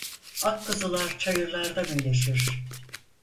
Ak kuzular çayırlarda meleşir.